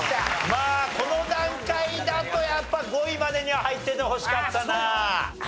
まあこの段階だとやっぱ５位までには入っててほしかったな。